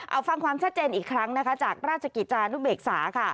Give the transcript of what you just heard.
เอาฟังความชัดเจนอีกครั้งนะคะจากราชกิจจานุเบกษาค่ะ